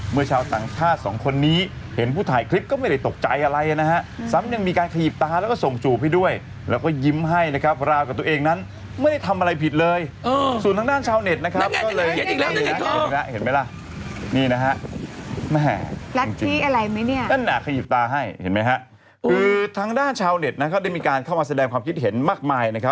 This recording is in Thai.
เมื่อวานนี้ก็มีคนส่งแสดงความคิดเห็นกันมาเยอะแยะมากมาย